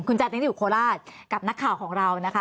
คุณแจนที่อยู่โคลาสกับนักข่าวของเรานะคะ